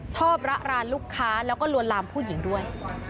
ระรานลูกค้าแล้วก็ลวนลามผู้หญิงด้วย